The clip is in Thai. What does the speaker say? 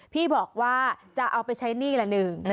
พี่บอกว่าจะเอาไปใช้หนี้ละหนึ่ง